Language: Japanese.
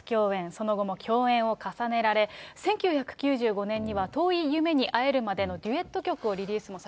その後も共演を重ねられ、１９９５年には遠い夢に逢えるまでのデュエット曲もリリースをさ